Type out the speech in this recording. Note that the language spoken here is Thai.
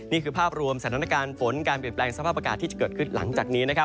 นี่คือภาพรวมสถานการณ์ฝนการเปลี่ยนแปลงสภาพอากาศที่จะเกิดขึ้นหลังจากนี้นะครับ